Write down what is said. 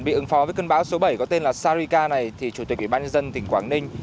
bị ứng phó với cơn bão số bảy có tên là sarika này thì chủ tịch ủy ban nhân dân tỉnh quảng ninh